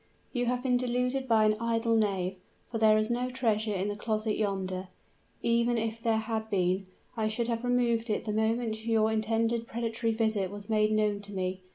You have been deluded by an idle knave for there is no treasure in the closet yonder. Even if there had been, I should have removed it the moment your intended predatory visit was made known to me.